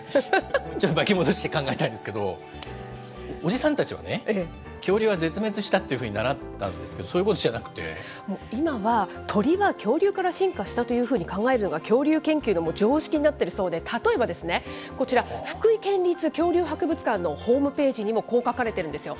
じゃあ、巻き戻して考えたいですけど、おじさんたちはね、恐竜は絶滅したっていうふうに習ったんですけれども、そういうこ今は、鳥は恐竜から進化したというふうに考えるのが恐竜研究の常識になってるそうで、例えばこちら、福井県立恐竜博物館のホームページにもこう書かれてるんですよ。